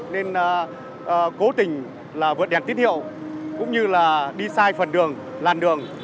nên cố tình vượt đèn tín hiệu cũng như đi sai phần đường làn đường